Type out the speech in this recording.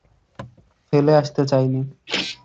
ফেলে আসতে চাইনি।